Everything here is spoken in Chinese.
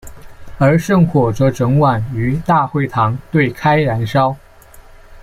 而圣火则整晚于大会堂对开燃烧。